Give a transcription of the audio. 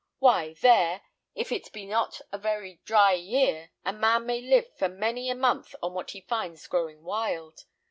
Why, there, if it be not a very dry year, a man may live for many a month on what he finds growing wild.